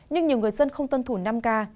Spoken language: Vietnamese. nhưng nhiều người dân không tân thủ năm k